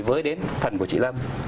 với đến phần của chị lâm